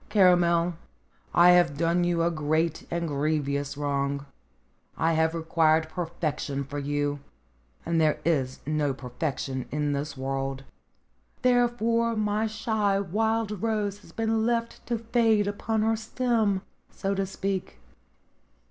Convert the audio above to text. "Caramel, I have done you a great and grievous wrong. I have required perfection for you, and there is no perfection in this world. Therefore my shy wild rose has been left to fade upon her stem, so to speak."